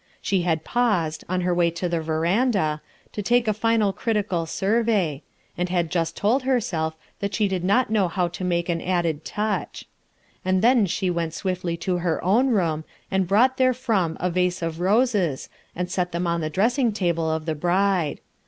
She had paused, on her way to the veranda, to take a final critical survey, and had told herself that &ho did not know how to make an added touch. And then she went swiftly to her own room and brought therefrom a vase of rases and set them on the dressing table of the bride.